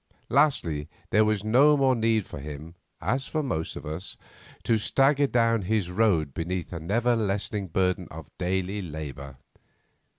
Lastly, there was no more need for him, as for most of us, to stagger down his road beneath a never lessening burden of daily labour.